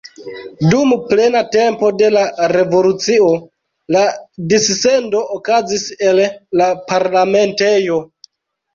Dum plena tempo de la revolucio la dissendo okazis el la parlamentejo.